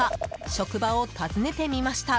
職場を訪ねてみました。